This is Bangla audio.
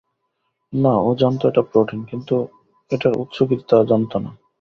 না, ও জানত এটা প্রোটিন, কিন্তু এটার উৎস কী তা জানত না।